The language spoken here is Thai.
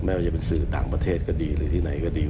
ไม่ว่าจะเป็นสื่อต่างประเทศก็ดีหรือที่ไหนก็ดี